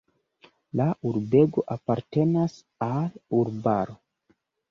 La urbego apartenas al urbaro.